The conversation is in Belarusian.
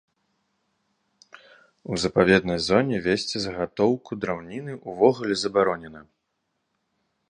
У запаведнай зоне весці загатоўку драўніны увогуле забаронена.